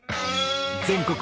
全国